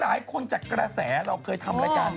หลายคนจากกระแสเราเคยทำรายการ